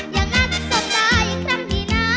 อย่างนั้นสดใจคำดีน้า